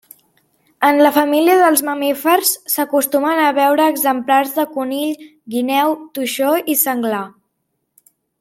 En la família dels mamífers s'acostumen a veure exemplars de conill, guineu, toixó i senglar.